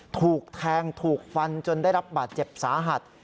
ถูกแทงถูกฟันจนได้รับบาดเจ็บสาหัส